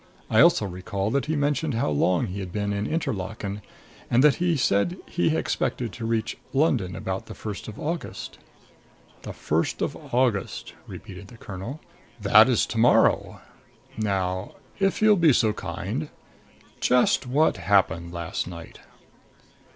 I also recall that he mentioned how long he had been in Interlaken, and that he said he expected to reach London about the first of August." "The first of August," repeated the colonel. "That is to morrow. Now if you'll be so kind just what happened last night?"